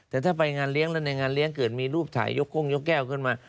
แล้วในงานเลี้ยงเกิดมีรูปถ่ายยกข้วงยกแก้วขึ้นมา